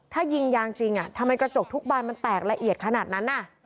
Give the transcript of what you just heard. ถ้ายิงยางจริงทำไมกระจกทุกบานมันแตกละเอียดขนาดนั้น